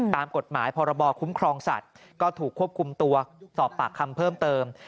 ตามกฎหมายพรบคุ้มครองสัตว์ก็ถูกควบคุมตัวสอบปากคำเพิ่มเติม